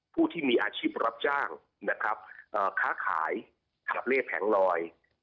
ผู้ที่มีอาชีพรับจ้างนะครับค้าขายขาบเล่แผงลอย